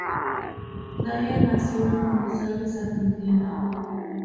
Dayan nació en Buenos Aires, Argentina.